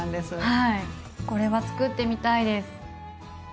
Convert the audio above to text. これはつくってみたいです。